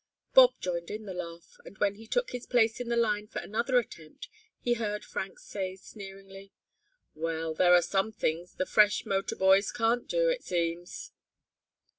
Bob joined in the laugh, and when he took his place in the line for another attempt he heard Frank say sneeringly: "Well, there are some things the fresh motor boys can't do, it seems."